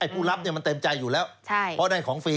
ผู้รับมันเต็มใจอยู่แล้วเพราะได้ของฟรี